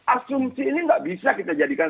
asumsi ini nggak bisa kita jadikan